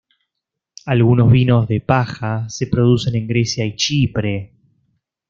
Algunos vinos de paja se producen en Grecia y Chipre.